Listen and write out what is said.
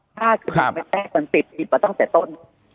ถ้าคือมันแพะมันติดผิดมาตั้งแต่ต้น